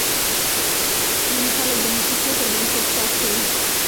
ځینې خلک د موسیقۍ پر بنسټ کار کوي.